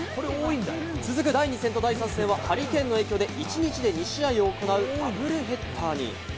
続く第２戦と第３戦は、ハリケーンの影響で１日で２試合を行うダブルヘッダーに。